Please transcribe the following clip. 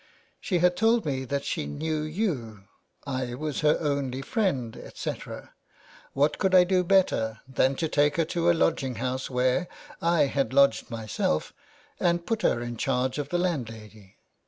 She had told me that she knew you, I was her only friend, etc. What could I do better than to take her to a lodging house where I had lodged myself and put her in charge of the landlady